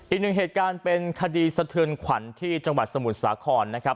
อีกหนึ่งเหตุการณ์เป็นคดีสะเทือนขวัญที่จังหวัดสมุทรสาครนะครับ